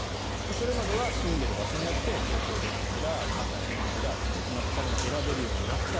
それまでは住んでいる場所によって東京電力だ関西電力だと決まっているのが選べるようになった。